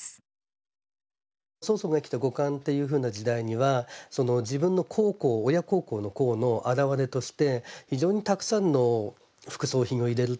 曹操が生きた後漢という時代には自分の孝行親孝行の孝の表れとして非常にたくさんの副葬品を入れるという事がはやっていたんですね。